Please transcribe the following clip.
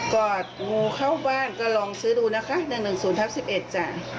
อดงูเข้าบ้านก็ลองซื้อดูนะคะ๑๑๐ทับ๑๑จ้ะ